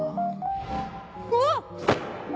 うわっ！